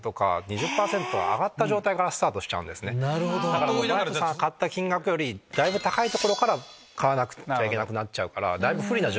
だからバフェットさんが買った金額よりだいぶ高いところから買わなくちゃいけなくなるから。